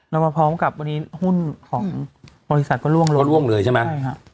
แล้วมาพร้อมกับวันนี้หุ้นของบริษัทก็ล่วงเลยใช่ไหม